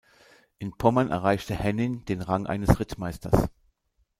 In Pommern erreichte Hennin den Rang eines Rittmeisters.